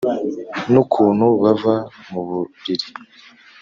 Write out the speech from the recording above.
nukuntu bava muburiri